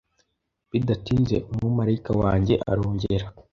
Bidatinze, Umumarayika wanjye arongera;